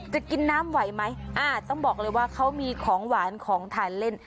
กินน้ำไหวไหมอ่าต้องบอกเลยว่าเขามีของหวานของทานเล่น